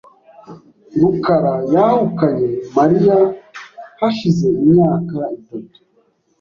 rukara yahukanye Mariya hashize imyaka itatu .